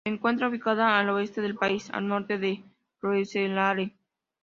Se encuentra ubicada al oeste del país, al norte de Roeselare.